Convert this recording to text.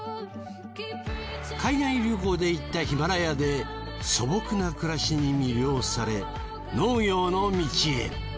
海外旅行で行ったヒマラヤで素朴な暮らしに魅了され農業の道へ。